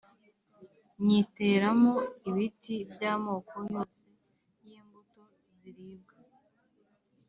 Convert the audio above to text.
Nyiteramo ibiti by amoko yose y imbuto ziribwa